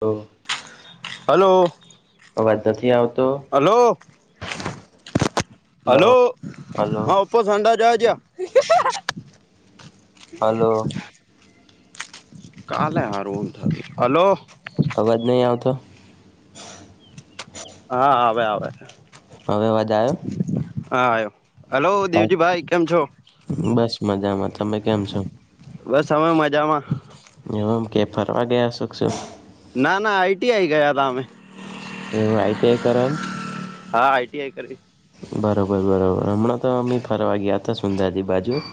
ઓ hello આવતો hello. Hello hello હા ઓપો સડા જજ [unintelligible] હલો. કાલે હારુંમ થ હલો. અવાજ નહી આવતો હા આવે આવે. હવે અવાજ આવે. હા આયવો હાલો દેવજી ભાઈ કેમ છો. બસ મજામાં તમે કેમ છો બસ હવે મજામાં. એવું આમ કે ફરવા ગયા શખ શો. ના ના આઈટી આઈ ગયા ત અમે એવ આઈટી આય કરો. હા આઈટીઆઈ કરીવી. બરોબર બરોબર હમણાં તો અમમે ફરવા ગયા હતા સુંદાજી બાજુ.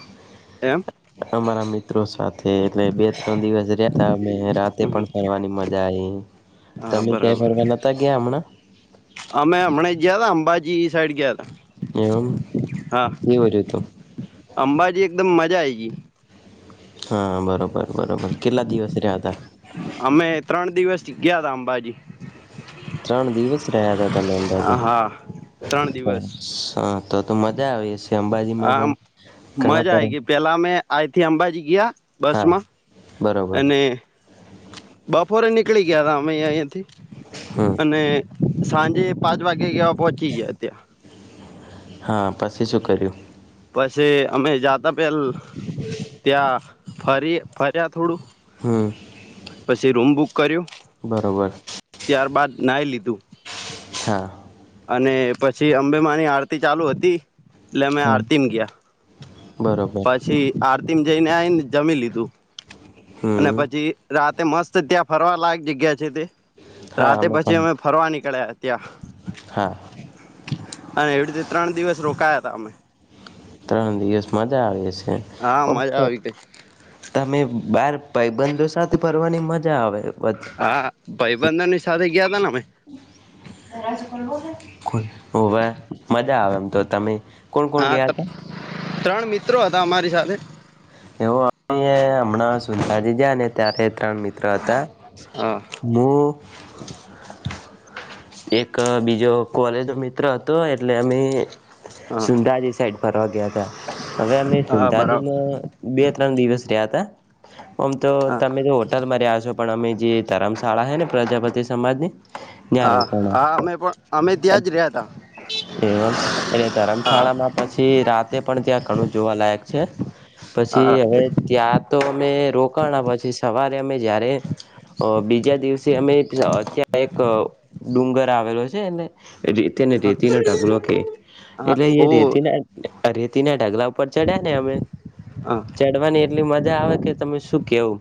એમ મારા મિત્રો સાથેથ એટલે બે ત્રણ દિવસ રતા અમે રાતે પણ ફરવાની મજા આ. હા તમે ક્યાં બરાબર ફરવા નતા ગયા હમણાં. અમે હમણાં ગયા તા અંબાજી સાઈડ ગયા તા એમ હા કેવી રીતે. અંબાજી એકદમ મજા આય ગઈ હા બરોબર બરોબર કેટલા દિવસ રહ્યા હતા. અમે ત્રણ દિવસ ગયા તા અંબાજી. ત્રણ દિવસ રહ્યા ત તમે અંદાજા. હા ત્રણ દિવસ તો તો મજા આવીશે હ મજા આઈ ગઈ પેલા મેં આઈથી અંબાજી ગયા બસ હા માં બરોબર. બપોરે નીકળી ગયા હતા અમે અહીયાયાથી હમ અને સાંજે પાંચ વાગે કેવા પહોંચી ગયા અત્યાં હા પછી શું કર્યું પછી અમે જાતા પહેલ ત્યાં ફરી ફર્યા થોડું હમ પછી રૂમ બુક કર્યું બરોબર ત્યારબાદ નાઈ લીધું હા અને પછી અંબેમાની આરતી ચાલુ હતી એટલે મેમે આરતીમ ગયા બરોબર પછી આરતીમ જઈને આવીઈને જમી લીધું અને હમ પછી રાતે મસ્ત ત્યાં ફરવા લાયક જગ્યા છે તે હા રાતે પછી પણ અમે ફરવા નીકળ્યા ત્યાં હા અને એવી રીતે ત્રણ દિવસ રોકાયા હતા અમે ત્રણ દિવસ મજા આવી હશે. હા મજા આવી ગઈ તમે બાર ભાઈબંધો સાથે ફરવાની મજા આવેધી હા ભાઈબંધન ની સાથે ગયા ત ને અમે ઓવે મજા આવે એમ તો તમે કોણ કોણ હા ગયા હતા ત્રણ મિત્રો હતા અમારી સાથે એવું અ હમણાં સુુંતાાજી ગયા ને ત્યારે ત્રણ મિત્ર હતા હા હું એક બીજો કોલેજ ન મિત્ર હતો એટલે અમે હા સુંદાજી સાઈડ ફરવા ગયા ત હવે અમે હા બરાબર સુંદાજીમાં બે ત્રણ દિવસ રહ્યા હતા આમ તો હા તમે જો તમે રયા હશો પણ અમે જે ધરમશાળા હે ને પ્રજાપતિ સમાજની ત્યાં હા રોકાણા હા અમે પણ અમે ત્યાં જ રહ્યા તા એમ એ તરમ હા શાળામાં પછી રાતે પણ ત્યાં ઘણું જોવાલાયક છે હા પછી હવે રાતે ત્યાં તો અમે રોકાણ પછી સવારે અમે જયારે અ બીજા દિવસે અમે અતં એક ડુંગર આવેલો છે તેને હા રેતી નો ઢગલો કે હા એટલે એ ઓ રેતી ના અરેતીના ઢગલા ઉપર ચડ્યા ને અમે હા ચડવાની એટલી મજા આવે કે તમે શું કેવું.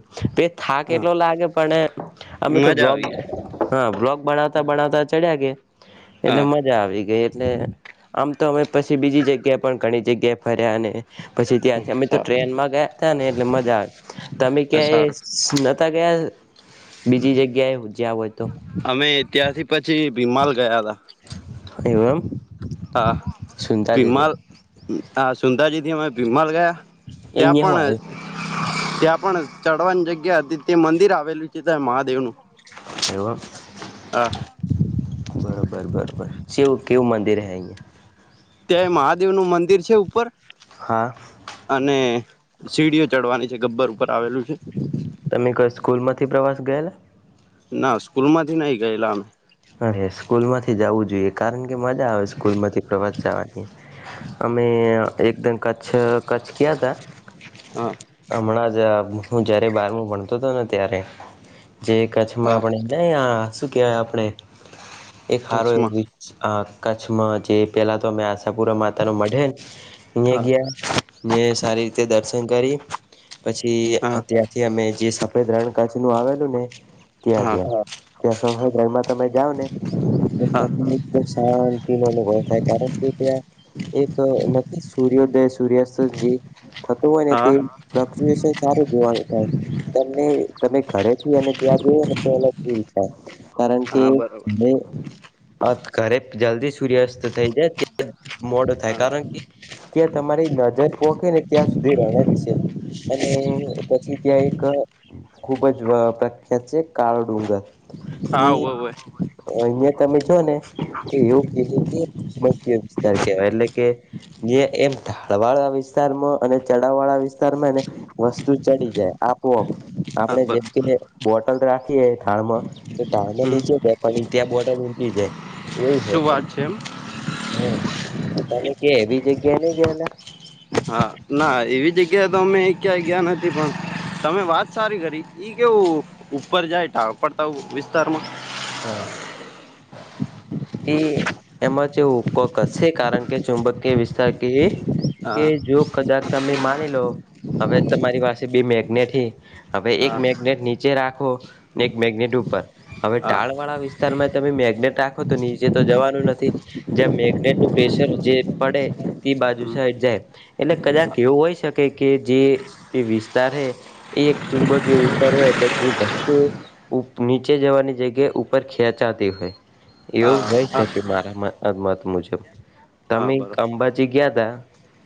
થાક હા એટલો લાગે પણ અમે તો મજા બ્લોગ આવી ગઈ હા બ્લોગ બનાવતા બનાવતા ચડ્યા ગ હા એટલે મજા આવી ગઈ એટલે આમ તો અમે પછી બીજી જગ્યા પણ ઘણી જગ્યાએ ફર્યા અને પછી ત્યાં અમે તો સારું ટ્રેન માં ગયા ત ને એટલે મજા આવે તો અમે સારું ક્યાંય નતા ગયા બીજી જગ્યા એ જ્યા હોય તો. અમે ત્યાંથી પછી ભીમાલ ગયા હતા. એવું એમ. હા સુનતા જ હતી ભીમાલ હા સુંદાજીથી અમે ભીમાલ ગયા. ત્યા પણ અહિયાં હું ત્યાં પણ ચઢવાની જગ્યા હતી તે મંદિર આવેલું છે મહાદેવનું. એવા. હા બરોબર બરોબર શિવ કેવું મંદિર હૈ. ત્યાં મહાદેવ નું મંદિર છે ઉપર હા અને સીડીઓ ચડવાની છે ગબ્બર ઉપર આવેલું છે. તમે કઈ સ્કૂલમાંથી પ્રવાસ ગયેલા. ના સ્કૂલમાંથી નહી ગયેલા અમે અરે સ્કૂલ માંથી જવું જોઈએ કારણ કે મજા આવે સ્કૂલ માંથી પ્રવાસ જવાની અમે એક દિન કચ્છ કચ્છ ગયા તા હા હમણાં જ હું જયારે બારમું ભણતો હતો ને ત્યારે જે કચ્છમાં હા આપણે નહી હા શું કેહેવાય આપણે એક હારો એવ કચ્છમાં કચ્છમાં જે પેલા તો અમે પુરા માતા નું મઢ હૈ અહીં હા ગયા સારી રીતે દર્શન કરી પછી હા ત્યાંથી અમે જે સફેદ રણ કચ્છ આવેલું ને ત્યાં હા ગયા. ત્યાં સફેદ રણ તમે જાઓ ને હા ત શાંતિનો અનુભવ થાય કારણ કે ત્યાં એક નથી સૂર્યોદય સૂર્યાસ્ત જે થતુ હોય ને તે હા ફ્લક્ચુએશન સારું જોવાનું થાય. તમને તમે ઘરેથી અને ત્યાં જવ ને તોલ દીલ થાય કારણ કે હા બરોબર ઘરે જલ્દી સૂર્યાસ્ત થઈ જાય મોડુ થાય હા કારણ કે ત્યાં તમારી નજર પોખે ને ત્યાં સુધી રણે જ છે. અને પછી ત્યાં એક ખૂબ જ પ્રખ્યાત છે કાળો ડુંગર. હા ની હોવે હોવે અહિયાં તમે જો ને તો એવું ક કે મખ્ય વિસ્તાર કેવાય એટલે કે. જે એમ ઢાળ વાળા વિસ્તારમા અને ચડાવ વાળા વિસ્તારમાં ને વસ્તુ ચડી જાય આપ કોપ હા આપડણે બર જેમ કેને બોટલ રાખીએ ઢાળમાં તો ઢાળમાં હમ નીચે બે પણ ત્યાં બોર્ડર ઊચી જાય એવું છે શું વાત પણ એમ હમ તને કે એવી જગ્યા નઈ ગયલા હા ના એવી જગ્યાએ તો અમે ક્યાં ગયા નથી પણ તમે વાત સારી કરી ઈ કેવું ઉપર જાય ટાવ પડતા વિસ્તારમાં હા એ એમાં જેવો ઉપકશે કારણ કે ચુંબકીય વિસ્તાર કે કે હા જો કદાચ તમે માની લો હવે તમારી પાસે બે મેગ નેટ થી હવે એક હા મેગ્નેટ નીચે રાખો ને એક મેગ્નેટ ઉપર હા ટાળ વાળા વિસ્તારમાં તમે મેગનેટ રાખો તો નીચે તો જવાનું નથી. જ્યાં મેગ્નેટ નું પ્રેશર જે પડે તે બાજુ હમ સાઈટ જાય. એટલે કદાચ એવું હોય શકે કે જે એ વિસ્તારે એ એક ચુંબકીય વિસ્તાર હોય એટલે જે વસ્તુ નીચે જવાની જગ્ ઉપર ખેંચાતી હોય હા એવું હોય હા શકે મારા મત મુજબ હા તમે બરોબર અંબાજી ગયા તા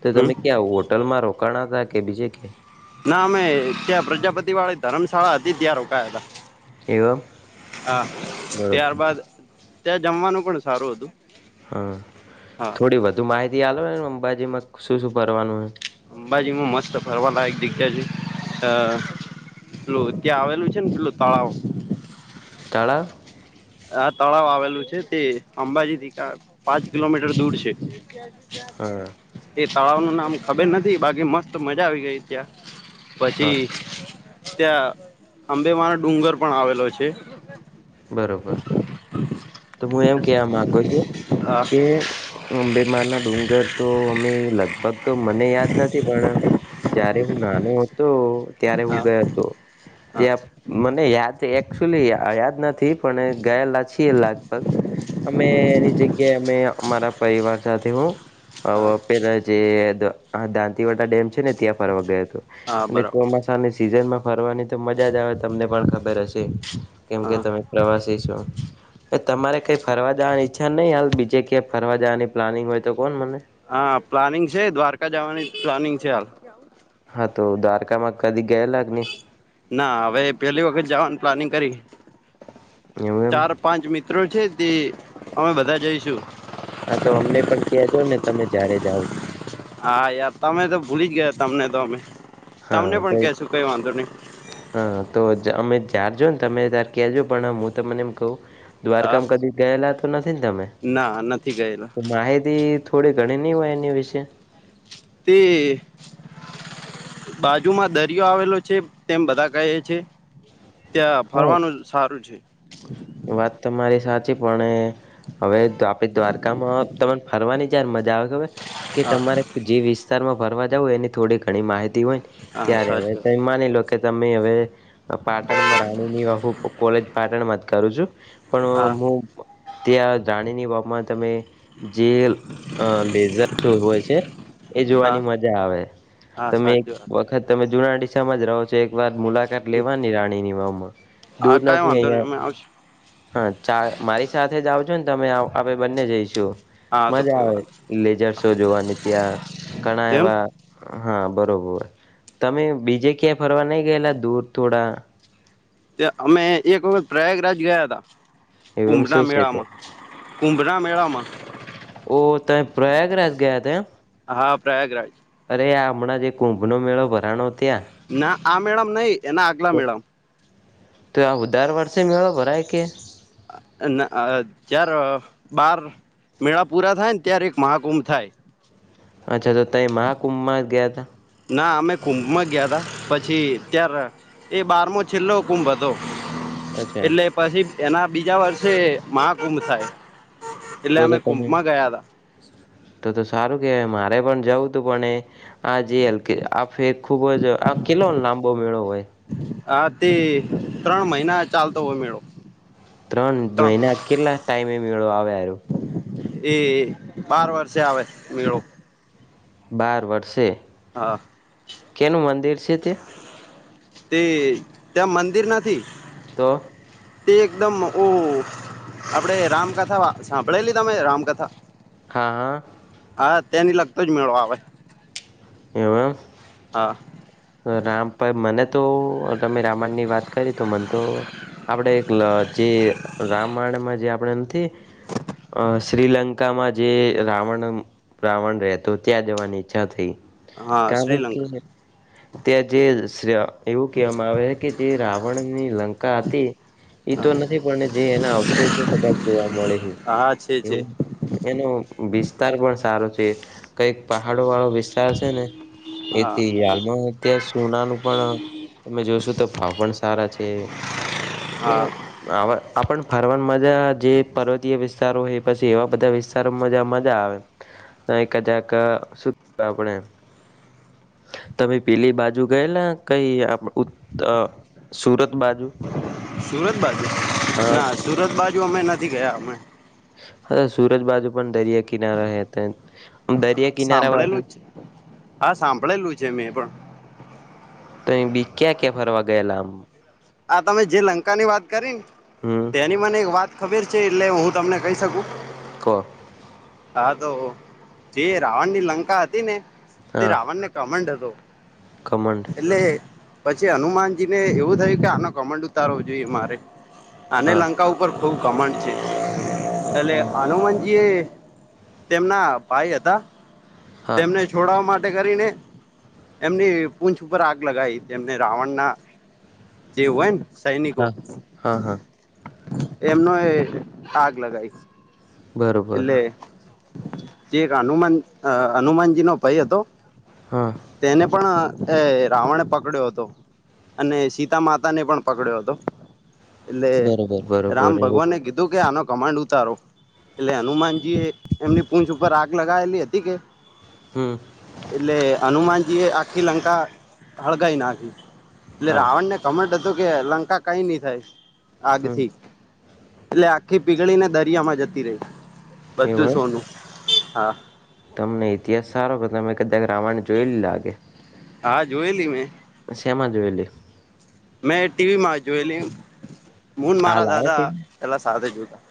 તો હમ તમે ક્યાં આવ હોટલમાં રોકાણ હતાા કે બીજે કે. ના અમે ત્યાં પ્રજાપતિ વાળી ધર્મશાળા હતી ત્યાં રોકાયા હતા. એવમ હા બરોબર ત્યારબાદ ત્યાં જમવાનું પણ સારું હતું. હા હા. થોડી વધુ માહિતી આવેને અંબાજીમાં શું શું કરવાનું છે. અંબાજીમાં મસ્ત ફરવાલાાયક દીખ્યા છે અ પેલું ત્યાં આવેલું છે ને પેલું તળાવ તળાવ. આ તળાવ આવેલું છે તે અંબાજીથી પાંચ કિલોમીટર દૂર છે. હા. એ તળાવ નું નામ ખબર નથી બાકી મસ્ત મજા આવી ગઈ ત્યાં. હા પછી ત્યાં આંબે માનો ડુંગર પણ આવેલો છે. બરોબર તો હું એમ કેવા મામાંગુ છું હા કે બેમાર ના ડુંગર તો અમે લગભગ મને યાદ નથી પણ જયારે હું નાનો હતો ત્યારે હું હા ગયો હતો. હા ત્યાં મને યાદ એકચુલી યાદ નથી. થી પણ ગયેલા છીએ લગભગ. અમે એની જગ્યા અમે અમારા પરિવાર સાથે હું હ હા પેલા જે દાંતીવટા ડેમ છે ને ત્યાં ફરવા ગયો હતો. હા અને બરાબર ચોમાસાની સિઝનમાં ફરવાની તો મજા જ આવે તમને પણ ખબર હશે. કેમ કે હા તમે પ્રવાસી છો. તમારે કંઈ ફરવા જવાની ઈચ્છા નહીં હાલ બીજે ક્યાં ફરવા જવાની પ્લાનિંગ હોય તો કોણ મને. હા પ્લાનિંગ છે દ્વારકા જવાની પ્લાનિંગ છે હાલ હા તો દ્વારકામાં કદી ગયેલા જ ને. ના હવે પેલી વખત જવાનું પ્લાનિંગ કરી. એવમ. ચાર પાંચ મિત્રો છે તે અમે બધા જઈશું. હા તો અમને પણ કજો ને તમે જય્યારે જાઓ. હા યાર તમે તો ભૂલી જ ગયા તમને તો અમે હા તમને તો પણ કેશું કઈ વાંધો નહી. હા તો અમે જ્યાર જો ને તમે તાર ક્યાજ પણ હું તમને એમ કહું. હા દ્વારકામાં કદી ગયેલા તો નથી ને તમે. ના નથી ગયેલા. તો માહિતી થોડી ઘણી નહ હોય એની વિશે. તે [unintelligible] બાજુમાં દરિયો આવેલો છે તેમ બધા કહે છે. ત્યાં હા ફરવાનું સારું છે. વાત તો મારી સાચી પણ હવે આપડી દ્વારકામાં તમે ફરવાની જયાર મજા આવે ખબર કે હા તમારે જે વિસ્તારમાં ફરવા જવ એની થોડી ઘણી માહિતી હોય હા ત્યારે સાચી વાત હવે માની લો તમે હવે પાટણમાં રાણીની વાહુ કોલેજ પાટણમાં જ કરું છું. હા પણ હું ત્યાં જાણીની બાબમાં તમે. જે લેઝર સો હોય છે એ હા જોવાની મજા આવે. હા સા તમે એક વખત તમે જુના ામાં જ રહો છો એક વાર મુલાકાત લેવાની રાણીની વામાં હા દૂર કઈ નથી વાંધો નહી અહિયાં અમે આવશું હા ચા મારી સાથે જ આવજો ને તમે આપે બંને જઈશું. હા તો મજા કઈ આવે વાંધો લેજર શો જોવાની ત્યાં ઘણા એમ એવા હા બરાબર તમે બીજે ક્યાંય ફરવા નહીં ગયેલા દૂર થોડા. તે અમે એક વખત પ્રયાગરાજ ગયા હતા એવમ કુંભના શું છે મેળામાં. ત્યાં કુંભના મેળા મા ઓ ત પ્રયાગરાજ ગયા તા હા પ્રયાગરાજ. અરે આ હમણાં જે કુંભનો મેળો ભરાનો ત્યાં. ના આ મેળામાં નહી એના આગલા મેળામાં તો આ દર વર્ષે મેળો ભરાય કે. [unintelligible] બાર. મેળા પૂરા થાય ને ત્યારે એક મહાકુંભ થાય. અચ્છા તો તં મહાકુંભમાં ગયા ત. ના અમે કુંભમાં ગયા હતાા પછી ત્ય્યારે. એ બારમો છેલ્લો કુંભ હતો. અચ્છા એટલે પછી એના બીજા વર્ષે મહાકુંભ થાય. એટલે તો તો અમે તમે કુંભમાં ગયા હતા તો તો સારું કેવાય મારે પણ જવું તું પણ એ. હા જે હલકે આ ફેર ખુબ જ આ કેલો લાંબો મેળો હોય. હા તે ત્રણ મહિના ચાલતો હોય મેળો. ત્રણ મહિના કેટલા ટાઈમે એ મેળો આવે આ એ બાર વર્ષે આવે મેળો. બાર વર્ષે. હા. કેનો મંદિર છે તે. તે ત્યાં મંદિર નથી. તો. તે એકદમ ઓહ. આપડણેે રામકથા સાંભળેલી તમે રામકથા. હા હા. હા તેની લગતોજ મેળો આવે. હ હે રામ. હા પણ મને તો તમે રામાયણ ની વાત કરી તો મન. તો આપડે એક જે રામાયણમાં જે આપણે નથી અ શ્રીલંકામાંજે રાવણ. રાવણ રહે તો ત્યાં જવાની ઈચ્છા થઈ. હા કારણ કે શ્રીલંકા ત્યાં જે એવું કહેવામાં આવે છે કે. કે રાવણની લંકા હતી એતો નથી પણ જે એના અવશે શો કદાચ જોવા મળે છે અચ્ચે છે. એવું એનો વિસ્તાર પણ સારો છે કઈક પહાડો વાળો વિસ્તાર છે ને. હા એથી હાલમાં અતં સોનાનું પણ. તમે જોશો તો ભાવ પણ સારા છે એ. હા આપણ ફરવાનમાંજા જે પર્વતીય વિસ્તારો હો પછી એવા બધા વિસ્તાર. તાર મજા મજા આવે તો કજાક સુ આપણે. તમે પેલી બાજુ ગયેલા કઈ આપ. સુરત બાજુ. સુરત બાજુ હા ના સુરત બાજુ અમે નથી ગયા અમે. હ સુરજ બાજુ પણ દરિયા કિનારા દરિયા કિનારા સાંભળેલું બાજુ. જ છે હા સાંભળેલું છે મેં પણ. તો બી ક્યાં ક્યાં ફરવા ગયેલા આમ. આ તમે જે લંકા ની વાત કરી ને હમ તેની મને એક વાત. ખબેર છે એટલે હું તમને કહી શકું. કહ. હા તો જે રાવણ ની લંકા હતી ને તે હા રાવણને. કામંડ હતો. કમંડ. એટલે પછી હનુમાનજી ને એવું થયું કે આનો કમંડ ઉતારવો જોઈએ મારે. અને હા લંકા ઉપર ખૂબ કમાંડ છે એટલે હનુમાનજી એ. તેમના ભાઈ હતા હા તેમને. છોડાવવા માટે કરીને એમની પૂંછ ઉપર આગ લગાવી તેમને રાવણના. જેવું હોય સૈનિકો. હા હા હા એમનો એ આગ લગાવ બરોબર એટલે. જે એક હનુમાન હનુમાનજી નો ભાઈ હતો હા. તેને પણ રાવણે પકડ્યો હતો અને. સિતા માતા ને પણ પકડ્યો હતો એટલે બરોબર રામ બરોબર ભગવાનગી. તુ કે આનો કમાન્ડ ઉતારો. એટલે હનુમાનજી એ એમની પૂંછ ઉપર આગ લગાવેલી હતી કે હમ. એટલે હનુમાનજી એ આખી લંકા હળગાઈ નાખી એટલે હા રાવણ ને કમન્ટ હતું કે લંકા કઈ નહી થાય હમ આગથી એટલે આખી પીગળી ને દરિયા માં જતી રહી બધું એવું એમ સોનું હા તમને ઇતિહાસ સારો તમે કદાક રાાવણ જોયલી લાગે હા જોયેલી મેં શમા જુવેલી મેં ટીવી માં જોયેલી હન મારા હાલ આવે દાદા ટીવી પેલા સાથે જોતા